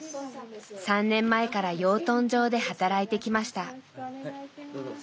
３年前から養豚場で働いてきました。